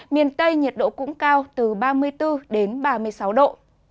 miền tây nhiệt độ cũng cao từ ba mươi bốn đến ba mươi sáu độ